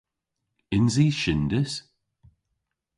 Yns i shyndys?